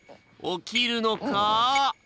起きるのか？